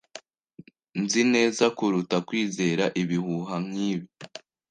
Nzi neza kuruta kwizera ibihuha nkibi.